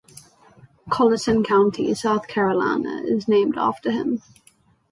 Colleton County, South Carolina, is named after him.